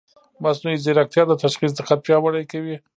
مصنوعي ځیرکتیا د تشخیص دقت پیاوړی کوي.